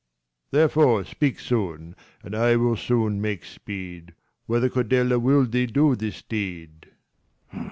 Therefore speak soon, and I will soon make speed ; Whether Cordelia will'd thee do this deed